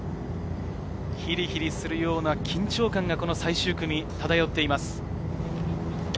ヒリヒリするような緊張感が最終組に漂っています。